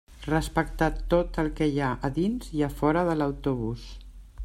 Respectar tot el que hi ha a dins i a fora de l'autobús.